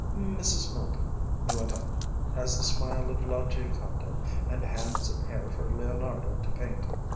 "Mrs. Milden," he went on, "has the smile of La Gioconda, and hands and hair for Leonardo to paint.